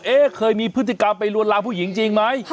เนี่ยเคยมีพฤติกรรมไปรวญราวผู้หญิงจริงไหม